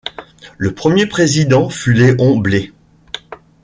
Le premier président fut Léon Blé.